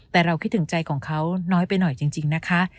แต่เราคิดถึงใจของเขาน้อยไปหน่อยจริงนะคะ